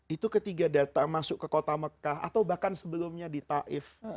itu ketiga data masuk ke kota mekah atau bahkan sebelumnya di taif